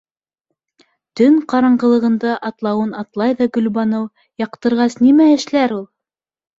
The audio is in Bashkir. Төн ҡараңғылығында атлауын атлай ҙа Гөлбаныу, яҡтырғас нимә эшләр ул?